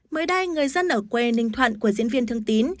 mới đây người dân ở quê ninh thuận của diễn viên thương tín